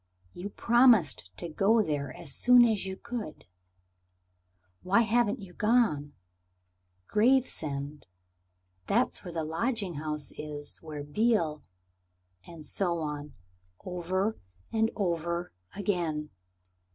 You promised to go there as soon as you could. Why haven't you gone? Gravesend. That's where the lodging house is where Beale " And so on, over and over again.